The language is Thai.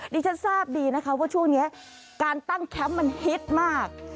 ดิฉันทราบดีนะคะว่าช่วงนี้การตั้งแคมป์มันฮิตมาก